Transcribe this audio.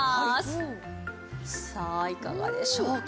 さあいかがでしょうか？